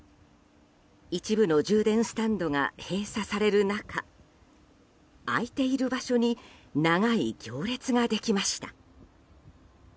一部の充電スタンドが閉鎖される中開いている場所に長い行列ができました。